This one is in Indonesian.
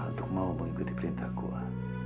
untuk mau mengikuti perintah kuat